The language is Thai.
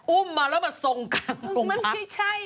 อุ้มมาแล้วมาทรงกลางตรงพักมันไม่ใช่